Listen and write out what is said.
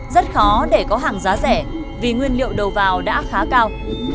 rất khó để có hàng giá rẻ vì nguyên liệu đầu vào đã khá cao